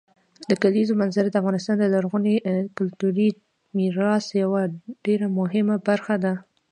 د کلیزو منظره د افغانستان د لرغوني کلتوري میراث یوه ډېره مهمه برخه ده.